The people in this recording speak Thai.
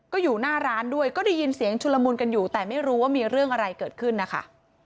ก็อยู่หน้าร้านด้วยก็ได้ยินเสียงชุลมุนกันอยู่แต่ไม่รู้ว่ามีเรื่องอะไรเกิดขึ้นนะคะ